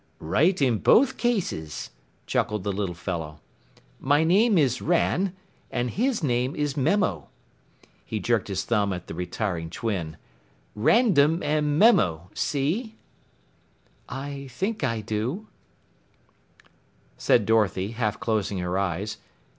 "Right in both cases," chuckled the little fellow. "My name is Ran and his name is Memo." He jerked his thumb at the retiring twin. "Randum and Memo see?" "I think I do," said Dorothy, half closing her eyes.